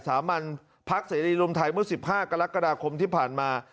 สามัญพักเสรีรวมไทยเมื่อ๑๕กรกฎาคมที่ผ่านมา